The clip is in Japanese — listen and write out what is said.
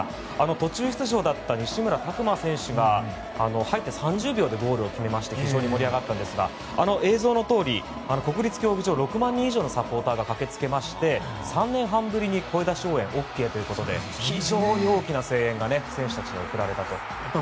途中出場だった西村拓真選手が入って３０秒でゴールを決めて非常に盛り上がったんですが映像のとおり国立競技場６万人以上のサポーターが駆けつけまして３年半ぶりに声出し応援がＯＫということで非常に大きな声援が選手たちに送られたと。